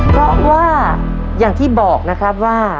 เพราะว่าอย่างที่บอกนะครับว่า